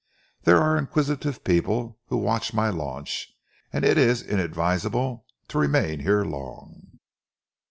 There are inquisitive people who watch my launch, and it is inadvisable to remain here long."